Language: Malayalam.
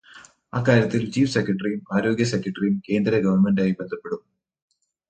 അക്കാര്യത്തില് ചീഫ് സെക്രട്ടറിയും ആരോഗ്യ സെക്രട്ടറിയും കേന്ദ്ര ഗവര്മെന്റുമായി ബന്ധപ്പെടും.